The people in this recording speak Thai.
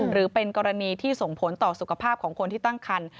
หรือเป็นกรณีที่ส่งผลต่อสุขภาพของคนที่ตั้งคัน